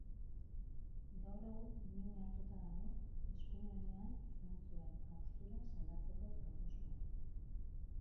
Gaur egun min hartuta dago, eskuin oinean izan zuen haustura sendatzeko prozesuan.